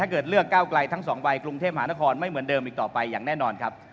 เกิดเลือกก้าวไกลทั้งสองใบกรุงเทพมหานครไม่เหมือนเดิมอีกต่อไปอย่างแน่นอนครับ